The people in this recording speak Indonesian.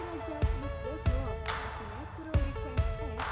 tarung derajat mustahil natural and first class